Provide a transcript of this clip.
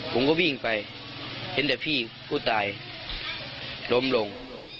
ผมก็วิ่งไปเห็นแต่พี่ผู้ตายล้มลง